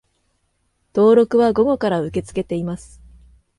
登録は午後から受け付けています